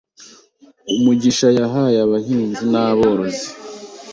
Umugisha yahaye abahinzi n’aborozi